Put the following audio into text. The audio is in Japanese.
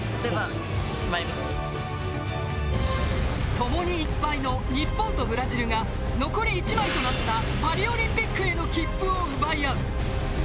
ともに１敗の日本とブラジルが残り１枚となったパリオリンピックへの切符を奪い合う。